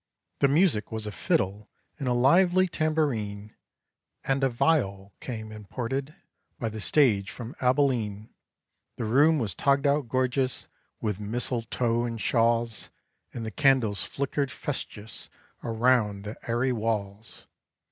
The music was a fiddle and a lively tambourine, And a viol came imported, by the stage from Abilene. The room was togged out gorgeous with mistletoe and shawls, And the candles flickered festious, around the airy walls.